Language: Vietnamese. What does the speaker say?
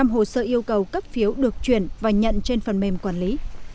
một trăm linh hồ sơ yêu cầu cấp phiếu được chuyển và nhận trên phần mềm quản lý